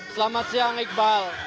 selamat siang iqbal